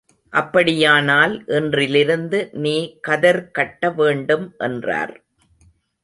அப்படியானால் இன்றிலிருந்து நீ கதர் கட்ட வேண்டும் என்றார்.